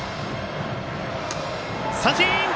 三振！